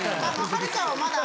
はるちゃんはまだ。